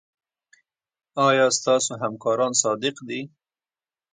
ایا ستاسو همکاران صادق دي؟